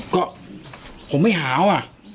ก็ผมไม่หาว่ะ